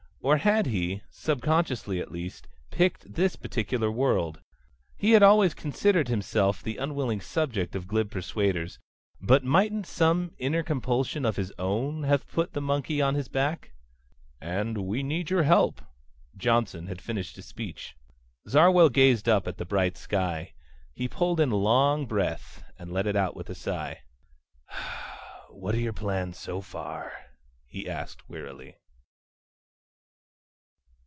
Or had he, subconsciously at least, picked this particular world? He had always considered himself the unwilling subject of glib persuaders ... but mightn't some inner compulsion of his own have put the monkey on his back? "... and we need your help." Johnson had finished his speech. Zarwell gazed up at the bright sky. He pulled in a long breath, and let it out in a sigh. "What are your plans so far?" he asked wearily.